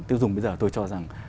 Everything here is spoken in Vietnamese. tiêu dụng bây giờ tôi cho rằng